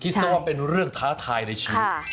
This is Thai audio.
ซะว่าเป็นเรื่องท้าทายในชีวิต